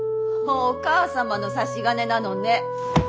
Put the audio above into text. お母様の差し金なのね。